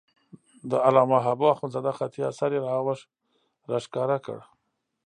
د علامه حبو اخندزاده خطي اثر یې را وښکاره کړ.